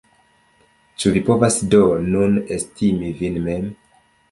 Ĉu vi povas do nun estimi vin mem?